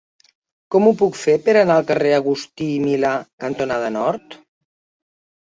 Com ho puc fer per anar al carrer Agustí i Milà cantonada Nord?